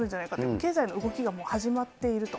経済の動きが始まっていると。